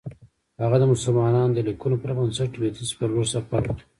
هغه د مسلمانانو د لیکنو پر بنسټ لویدیځ پر لور سفر وکړ.